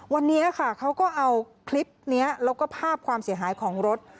วันนี้ค่ะเขาก็เอาคลิปนี้แล้วก็ภาพความเสียหายของรถ